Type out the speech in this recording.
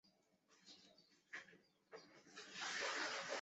该物种的模式产地在新疆阿尔泰。